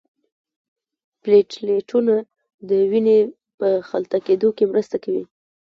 پلیټلیټونه د وینې په لخته کیدو کې مرسته کوي